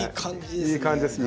いい感じですね！